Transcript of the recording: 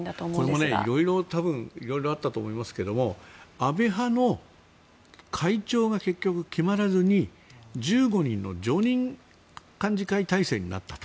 これも多分色々あったと思いますけど安倍派の会長が結局、決まらずに１５人の常任幹事会体制になったと。